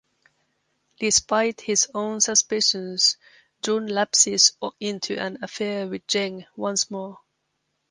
Despite his own suspicions Jun lapses into an affair with Zeng once more.